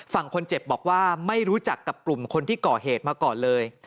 ฝั่งคนเจ็บบอกว่าไม่รู้จักกับกลุ่มคนที่ก่อเหตุมาก่อนเลย